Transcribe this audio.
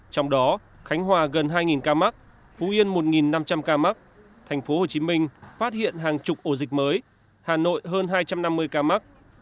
trong đó khánh hòa gần hai ca mắc phú yên một năm trăm linh ca mắc tp hcm phát hiện hàng chục ổ dịch mới hà nội hơn hai trăm năm mươi ca mắc